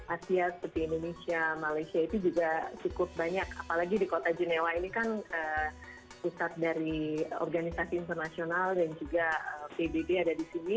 asia seperti indonesia malaysia itu juga cukup banyak apalagi di kota genewa ini kan pusat dari organisasi internasional dan juga pbb ada di sini